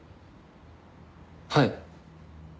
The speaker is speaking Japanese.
はい。